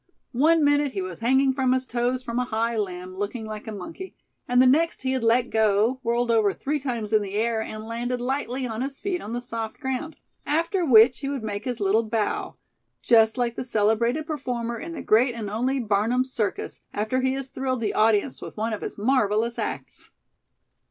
One minute he was hanging from his toes from a high limb, looking like a monkey; and the next he had let go, whirled over three times in the air, and landed lightly on his feet on the soft ground; after which he would make his little bow, just like the celebrated performer in the great and only Barnum's Circus, after he has thrilled the audience with one of his marvelous acts.